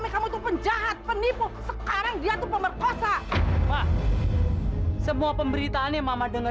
kamu tenang dulu aja ya